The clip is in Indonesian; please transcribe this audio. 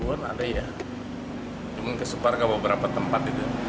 tiga puluh an ada ya cuma kesepar ke beberapa tempat